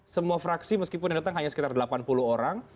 semua fraksi meskipun yang datang hanya sekitar delapan puluh orang